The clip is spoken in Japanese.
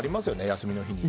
休みの日に。